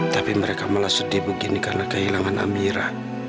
tapi mereka malah sedih begini karena kehilangan ambira